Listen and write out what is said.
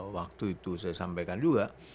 waktu itu saya sampaikan juga